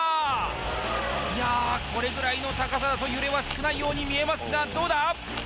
いやこれぐらいの高さだと揺れは少ないように見えますがどうだ？